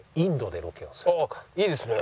いいですね。